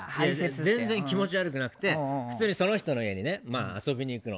全然気持ち悪くなくて普通にその人に家に遊びに行くの。